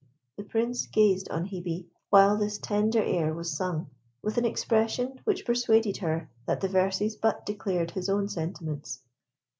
The Prince gazed on Hebe while this tender air was sung, with an expression which persuaded her that the verses but declared his own sentiments.